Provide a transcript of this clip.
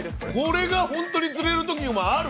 これが本当に釣れる時もある？